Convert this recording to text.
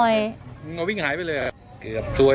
โตข้าใจ